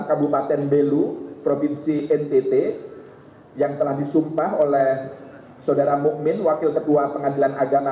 kabupaten belu provinsi ntt yang telah disumpah oleh saudara mukmin ⁇ wakil ketua pengadilan agama